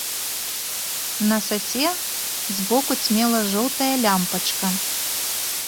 На сасе збоку цьмела жоўтая лямпачка.